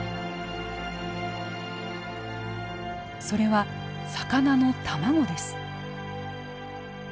それは魚の卵です。